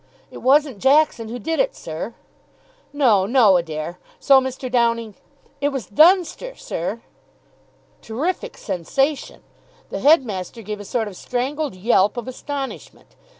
"It wasn't Jackson who did it, sir." "No, no, Adair. So Mr. Downing " "It was Dunster, sir." Terrific sensation! The headmaster gave a sort of strangled yelp of astonishment. Mr.